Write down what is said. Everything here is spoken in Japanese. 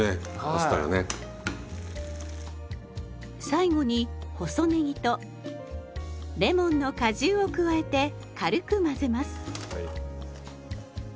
最後に細ねぎとレモンの果汁を加えて軽く混ぜます。